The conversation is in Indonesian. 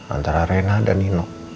antara rena dan nino